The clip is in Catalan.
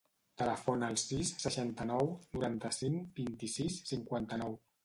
Telefona al sis, seixanta-nou, noranta-cinc, vint-i-sis, cinquanta-nou.